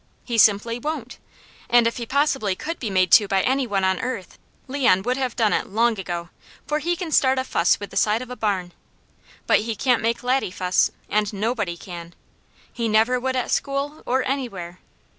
He simply won't. And if he possibly could be made to by any one on earth, Leon would have done it long ago, for he can start a fuss with the side of a barn. But he can't make Laddie fuss, and nobody can. He NEVER would at school, or anywhere.